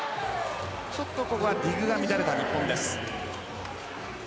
ちょっとここはディグが乱れた日本です。